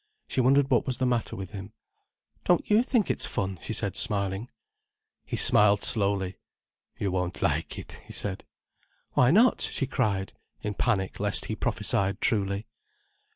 She wondered what was the matter with him. "Don't you think it's fun?" she said, smiling. He smiled slowly. "You won't like it," he said. "Why not?" she cried, in panic lest he prophesied truly.